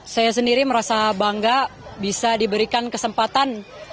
saya sendiri merasa bangga bisa diberikan kesempatan